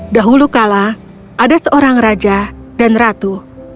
dahulu kala ada seorang raja dan ratu